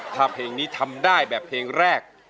ถ้าเพลงนี้ทำได้แบบเพลงแรก